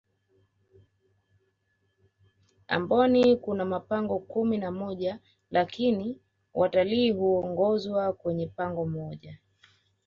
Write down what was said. amboni Kuna mapango kumi na moja lakini watilii huongozwa kwenye pango moja